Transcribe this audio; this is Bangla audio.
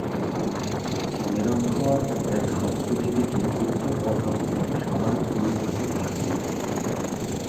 নিরক্ষরেখা পৃথিবীকে উত্তর ও দক্ষিণে সমান দুই ভাগে ভাগ করেছে।